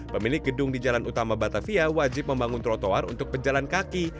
pemilik gedung di jalan utama batavia wajib membangun trotoar untuk pejalan kaki